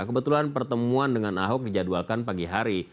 kebetulan pertemuan dengan ahok dijadwalkan pagi hari